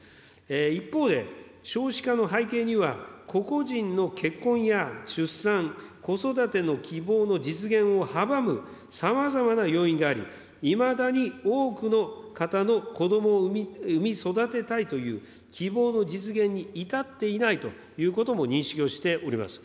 一方で、少子化の背景には、個々人の結婚や出産、子育ての希望の実現を阻むさまざまな要因があり、いまだに多くの方の子どもを産み育てたいという希望の実現に至っていないということも認識をしております。